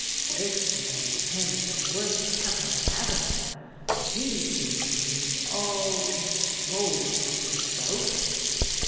'" This made him in a worse temper than ever, and he seemed to lose all control over himself.